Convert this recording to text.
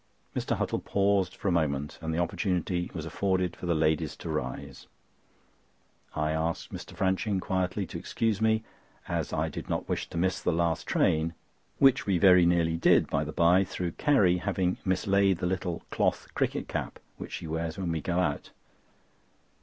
Mr. Huttle paused for a moment and the opportunity was afforded for the ladies to rise. I asked Mr. Franching quietly to excuse me, as I did not wish to miss the last train, which we very nearly did, by the by, through Carrie having mislaid the little cloth cricket cap which she wears when we go out.